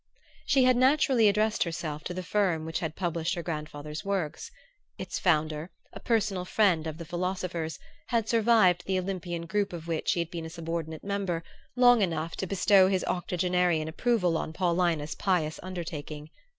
She had naturally addressed herself to the firm which had published her grandfather's works. Its founder, a personal friend of the philosopher's, had survived the Olympian group of which he had been a subordinate member, long enough to bestow his octogenarian approval on Paulina's pious undertaking.